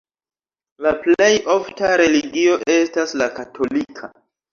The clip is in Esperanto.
La plej ofta religio estas la katolika.